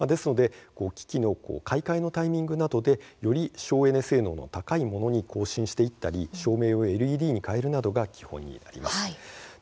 機器の買い替えのタイミングなどでより省エネ性能の高いものに更新していったり、照明をＬＥＤに替えるなどが基本になります。